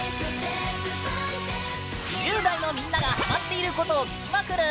１０代のみんながハマっていることを聞きまくる